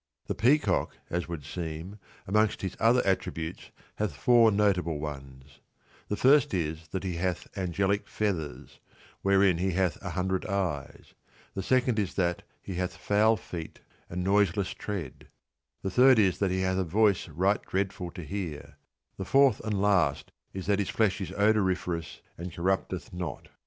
The peacock, as would seem, amongst his other attri butes hath four notable ones ; the first is that he hath angelic feathers, wherein he hath an hundred eyes, the second is that he hath foul feet and noiseless tread ; the third is that he hath a voice right dreadful to hear ; the fourth and last is that his flesh is odoriferous and corrupteth not.